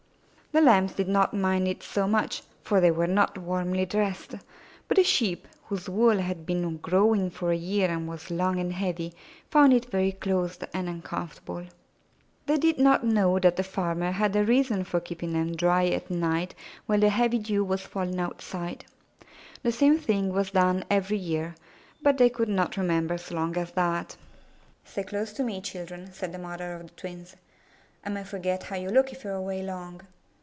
The Lambs did not mind it so much, for they were not warmly dressed, but the Sheep, whose wool had been growing for a year and was long and heavy, found it very close and uncomfortable. They did not know that the farmer had a reason for keeping them dry that night while the heavy dew was falling outside. The same thing was done every year, but they could not remember so long as that. ''Stay close to me, children,'* said the mother of the twins. "I may forget how you look if you are away long.''